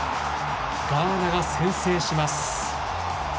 ガーナが先制します。